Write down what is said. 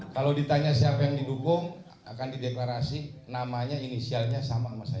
kalau ditanya siapa yang didukung akan dideklarasi namanya inisialnya sama sama saya